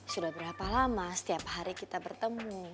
sudah berapa lama setiap hari kita bertemu